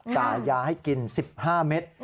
จ่ายยาให้กิน๑๕เม็ด